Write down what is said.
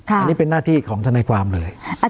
อันนี้เป็นหน้าที่ของทนายความเลย